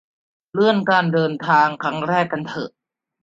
เลื่อนการเดินทางครั้งแรกกันเถอะ